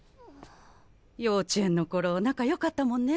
幼稚園の頃仲良かったもんね。